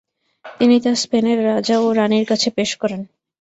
তিনি তা স্পেনের রাজা ও রাণীর কাছে পেশ করেন।